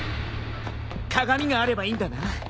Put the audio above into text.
鏡があればいいんだな。